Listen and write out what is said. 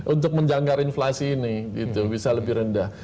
untuk menjangkar inflasi ini bisa lebih rendah